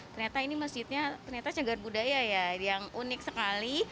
ternyata ini masjidnya ternyata cagar budaya ya yang unik sekali